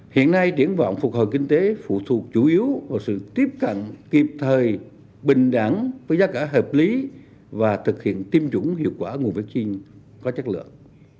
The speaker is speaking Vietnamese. hiện nay triển vọng phục hồi kinh tế phụ thuộc chủ yếu vào sự tiếp cận kịp thời bình đẳng với giá cả hợp lý và thực hiện tiêm chủng hiệu quả nguồn vaccine có chất lượng